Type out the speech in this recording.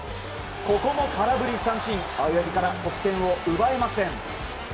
ここも空振り三振青柳から得点を奪えません。